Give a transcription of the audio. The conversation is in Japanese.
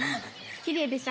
きれいでしょ。